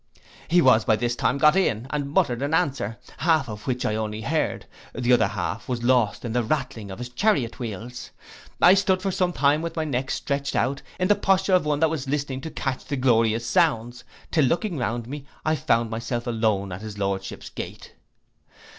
He was by this time got in, and muttered an answer, half of which only I heard, the other half was lost in the rattling of his chariot wheels. I stood for some time with my neck stretched out, in the posture of one that was listening to catch the glorious sounds, till looking round me, I found myself alone at his lordship's gate.